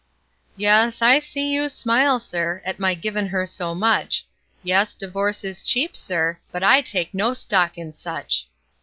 Yes, I see you smile, Sir, at my givin' her so much; Yes, divorce is cheap, Sir, but I take no stock in such!